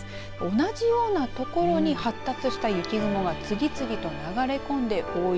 同じような所に発達した雪雲が次々と流れ込んで大雪。